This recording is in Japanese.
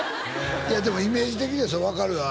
でもイメージ的には分かるよ